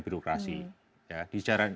birokrasi di jajaran